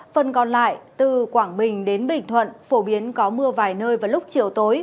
phần còn lại từ quảng bình đến bình thuận phổ biến có mưa vài nơi vào lúc chiều tối